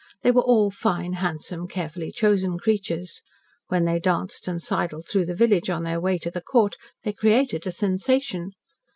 They were all fine, handsome, carefully chosen creatures. When they danced and sidled through the village on their way to the Court, they created a sensation.